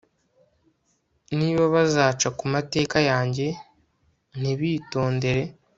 Niba bazaca ku mateka yanjye Ntibitondere